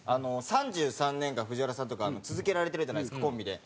３３年間ＦＵＪＩＷＡＲＡさんとか続けられてるじゃないですかコンビで。